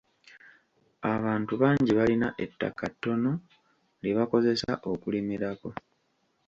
Abantu bangi balina ettaka ttono lye bakozesa okulimirako.